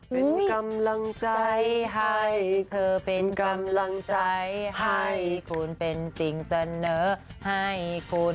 เป็นกำลังใจให้เธอเป็นกำลังใจให้คุณเป็นสิ่งเสนอให้คุณ